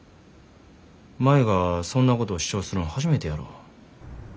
舞がそんなことを主張するん初めてやろ。